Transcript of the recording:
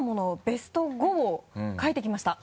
ベスト５」を書いてきました。